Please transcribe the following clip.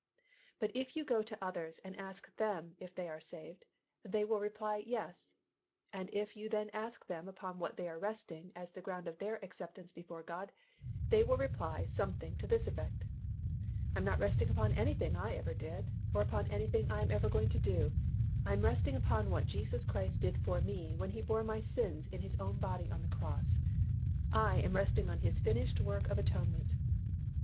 But if you go to others and ask them if they are saved, they will reply "Yes." And then if you ask them upon what they are resting as the ground of their acceptance before God, they will reply something to this effect, "I am not resting upon anything I ever did, or upon anything I am ever going to do; I am resting upon what Jesus Christ did for me when He bore my sins in His own body on the cross. I am resting in His finished work of atonement."